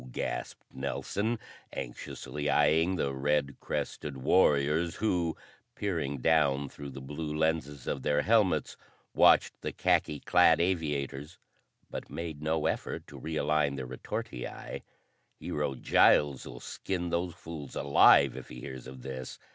gasped Nelson, anxiously eyeing the red crested warriors who, peering down through the blue lenses of their helmets, watched the khaki clad aviators but made no effort to realign their retortii. "Hero Giles'll skin those fools alive if he hears of this.